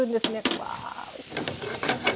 うわおいしそう！